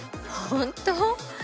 本当？